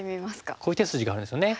こういう手筋があるんですよね。